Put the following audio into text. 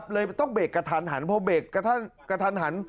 เลยต้องเบลกกะทัน